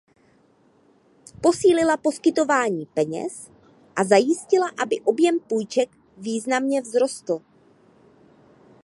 Posílila poskytování peněz a zajistila, aby objem půjček významně vzrostl.